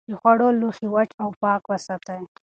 د خوړو لوښي وچ او پاک وساتئ.